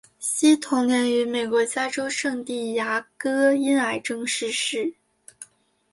惜同年于美国加州圣地牙哥因癌症逝世。